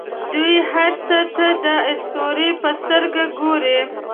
دوی هر څه ته د اسطورې په سترګه ګوري.